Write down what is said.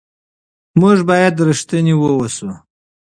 موږ باید رښتیني واوسو.